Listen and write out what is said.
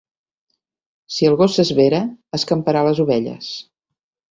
Si el gos s'esvera, escamparà les ovelles.